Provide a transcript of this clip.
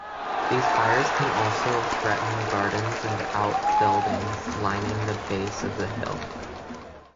These fires can also threaten gardens and outbuildings lining the base of the hill.